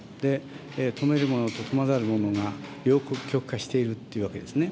富めるものと富まざるものが両極化しているというわけですね。